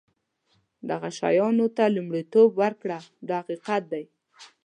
دغه شیانو ته لومړیتوب ورکړه دا حقیقت دی.